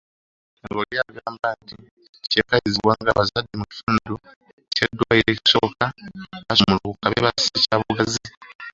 Semmelwesi ng’oli agamba nti kyekalirizibbwa ng’abazadde mu kitundu ky’eddwaliro ekisooka basumulukuka beebase kyabugazi.